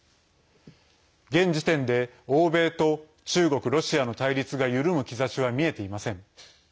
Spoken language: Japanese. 現時点で、欧米と中国、ロシアの対立が緩む兆しは見えていません。